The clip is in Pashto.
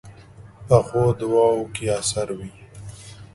پخو دعاوو کې اثر وي